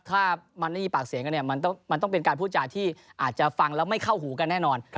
ถ้ามันไม่มีปากเสียงกันเนี่ยมันต้องเป็นการพูดจาที่อาจจะฟังแล้วไม่เข้าหูกันแน่นอน